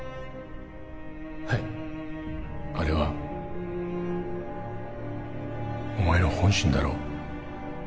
はいあれはお前の本心だろう？